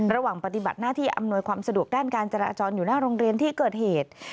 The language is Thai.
ระหว่างปฏิบัติหน้าที่อำนวยความสะดวกด้านการจราจรอยู่หน้าโรงเรียนที่เกิดเหตุ